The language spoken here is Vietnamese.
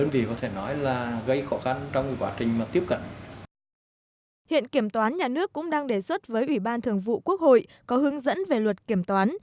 hiện kiểm toán nhà nước cũng đang đề xuất với ủy ban thường vụ quốc hội có hướng dẫn về luật kiểm toán